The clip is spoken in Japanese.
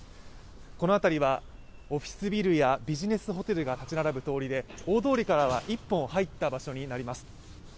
この辺りはオフィスビルやビジネスホテルが立ち並ぶ通りで、大通りからは１本入った場所になります。